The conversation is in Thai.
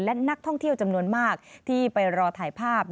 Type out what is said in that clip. และนักท่องเที่ยวจำนวนมากที่ไปรอถ่ายภาพ